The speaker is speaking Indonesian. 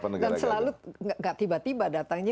dan selalu tidak tiba tiba datangnya